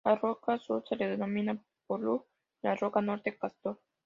La roca sur se la denominó Pólux y la roca norte, Castor.